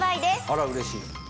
あらうれしい。